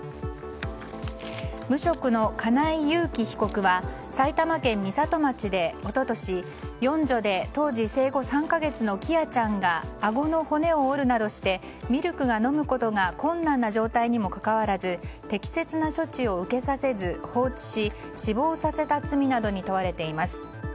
無職の金井裕喜被告は埼玉県美里町で一昨年、四女で当時生後３か月の喜空ちゃんがあごの骨を折るなどしてミルクが飲むことが困難な状態にもかかわらず適切な処置を受けさせず放置し死亡させた罪などに問われています。